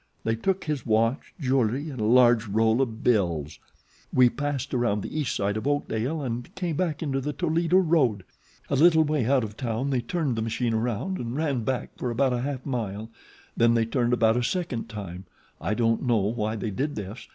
They took his watch, jewelry, and a large roll of bills. We passed around the east side of Oakdale and came back into the Toledo road. A little way out of town they turned the machine around and ran back for about half a mile; then they turned about a second time. I don't know why they did this.